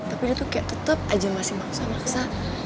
tapi dia tuh kayak tetap aja masih maksa maksa